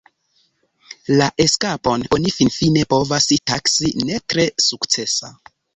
La eskapon oni finfine povas taksi ne tre sukcesa.